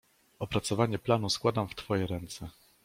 "Opracowanie planu składam w twoje ręce."